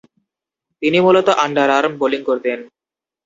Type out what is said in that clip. তিনি মূলতঃ underarm bowling করতেন।